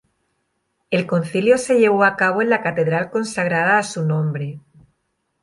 El concilio se llevó a cabo en la catedral consagrada a su nombre.